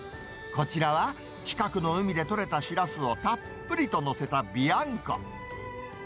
こちらは、近くの海で取れたシラスをたっぷりと載せたビアンコ。